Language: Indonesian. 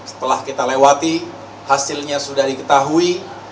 setelah kita lewati hasilnya sudah diketahui